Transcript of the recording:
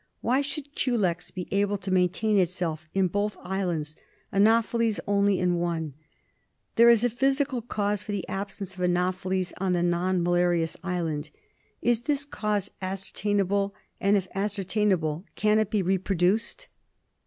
Why should culex be able to maintain itself in both islands; anopheles only in one? There is a physical cause for the absence of anopheles on the non malarious island. Is this cause ascertain able, and if ascertained can it be reproduced